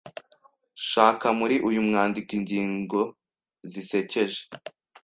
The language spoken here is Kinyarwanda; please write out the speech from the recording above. Shaka muri uyu mwandiko ingingo zisekeje